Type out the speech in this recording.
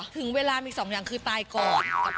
ถึงเวลามีสองอย่างคือตายก่อนแล้วกับมีแฟน